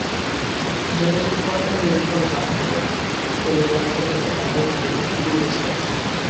যোগাযোগ করা হলে ইকবাল বাহারের পরিবার থেকে বলা হয়, তিনি বিদেশে আছেন।